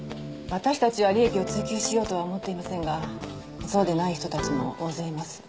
私たちは利益を追求しようとは思っていませんがそうでない人たちも大勢います。